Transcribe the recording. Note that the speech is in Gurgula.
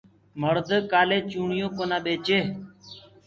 مڙد ڪآلي چوڙيونٚ ڪونآ پيري